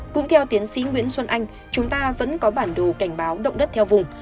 cũng theo tiến sĩ nguyễn xuân anh chúng ta vẫn có bản đồ cảnh báo động đất theo vùng